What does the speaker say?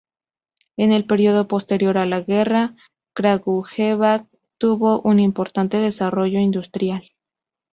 En el período posterior a la guerra, Kragujevac tuvo un importante desarrollo industrial.